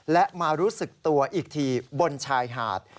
และมารู้สึกตัวอีกทีบนชายหาด